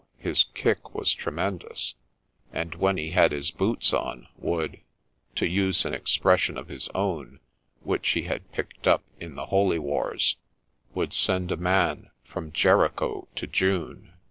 his kick was tremendous, and, when he had his boots on, would, — to use an expression of his own, which he had picked up in the holy wars, — would ' send a man from Jericho to June.'